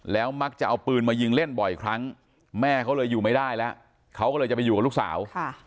แล้วมักจะเอาปืนมายิงเล่นบ่อยครั้งแม่เขาเลยอยู่ไม่ได้แล้วเขาก็เลยจะไปอยู่กับลูกสาว